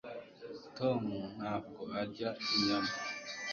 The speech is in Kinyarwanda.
tom ntabwo arya inyama